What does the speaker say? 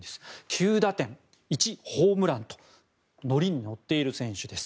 ９打点、１ホームランとノリに乗っている選手です。